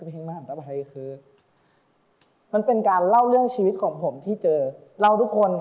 ยังไงฉันจะมีชีวิตนี้ไปเพื่อใคร